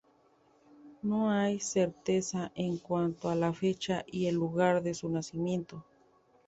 No hay certeza en cuanto a la fecha y el lugar de su nacimiento.